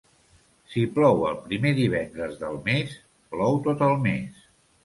Si plou el primer divendres del mes, plou tot el mes.